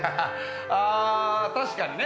確かにね。